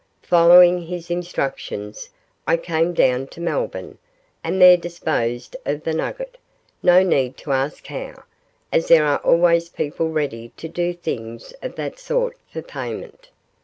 Following his instructions, I came down to Melbourne, and there disposed of the nugget no need to ask how, as there are always people ready to do things of that sort for payment.